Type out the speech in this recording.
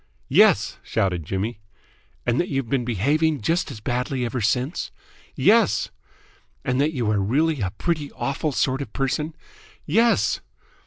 "Yes!" shouted Jimmy. "And that you've been behaving just as badly ever since?" "Yes!" "And that you are really a pretty awful sort of person?" "Yes!"